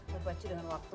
berbaci dengan waktu